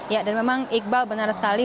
ya dan memang iqbal benar sekali